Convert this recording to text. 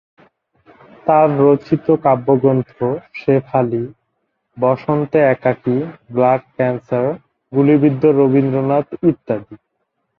তার রচিত কাব্যগ্রন্থ "শেফালী", "বসন্তে একাকী", "ব্লাড ক্যানসার", "গুলিবিদ্ধ রবীন্দ্রনাথ" ইত্যাদি।